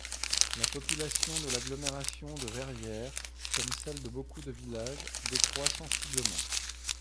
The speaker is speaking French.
La population de l'agglomération des Verrières, comme celle de beaucoup de villages, décroît sensiblement.